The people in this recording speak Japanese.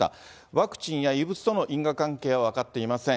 ワクチンや異物との因果関係は分かっていません。